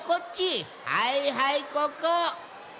はいはいここ！